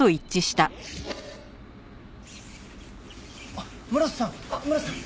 あっ村瀬さん村瀬さん！